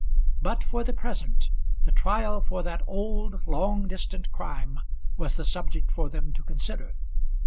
But for the present, the trial for that old, long distant crime was the subject for them to consider.